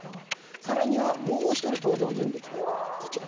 更にはもう１人登場人物がいました。